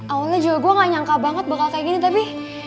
awalnya juga gue gak nyangka banget bakal kayak gini tapi